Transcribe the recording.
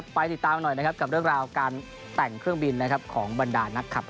ไปติดตามกับเรื่องราวการแต่งเครื่องบินของบรรดานักคับ